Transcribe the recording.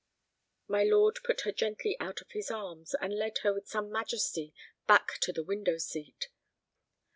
My lord put her gently out of his arms, and led her with some majesty back to the window seat.